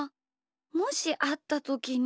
もしあったときに。